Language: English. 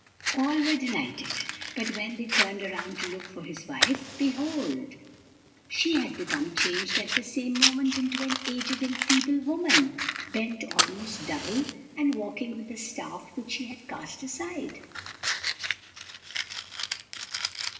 All were delighted, but when they turned around to look for his wife, behold! she had become changed at the same moment into an aged and feeble woman, bent almost double, and walking with the staff which he had cast aside.